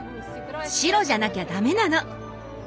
白じゃなきゃダメなの。